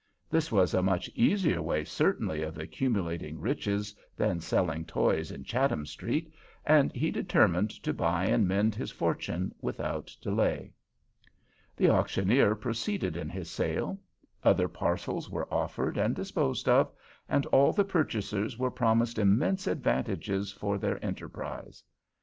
This was a much easier way certainly of accumulating riches than selling toys in Chatham Street, and he determined to buy and mend his fortune without delay. The auctioneer proceeded in his sale. Other parcels were offered and disposed of, and all the purchasers were promised immense advantages for their enterprise.